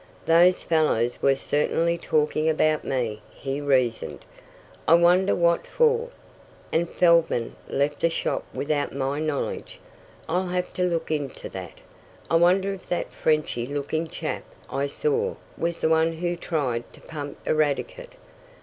"Those fellows were certainly talking about me," he reasoned. "I wonder what for? And Feldman left the shop without my knowledge. I'll have to look into that. I wonder if that Frenchy looking chap I saw was the one who tried to pump Eradicate?